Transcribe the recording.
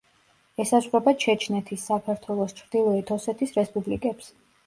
ესაზღვრება ჩეჩნეთის, საქართველოს, ჩრდილოეთ ოსეთის რესპუბლიკებს.